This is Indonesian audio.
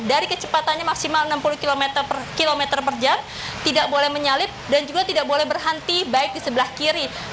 dari kecepatannya maksimal enam puluh km per kilometer per jam tidak boleh menyalip dan juga tidak boleh berhenti baik di sebelah kiri